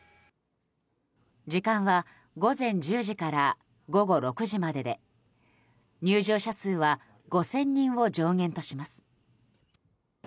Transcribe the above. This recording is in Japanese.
時間は午前１０時から午後６時までで入場者数は５０００人を上限とします。